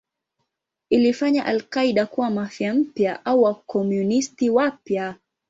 Ilifanya al-Qaeda kuwa Mafia mpya au Wakomunisti wapya.